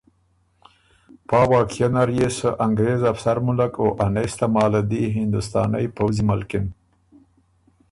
پا واقعیه نر يې سۀ انګرېز افسر مُلّک او انېس تماله دی هندوستانئ پؤځی ملکِن